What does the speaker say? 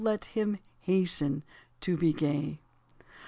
Let him hasten to be gay.